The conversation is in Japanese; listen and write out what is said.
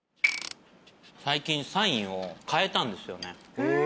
最近サインを変えたんですよね。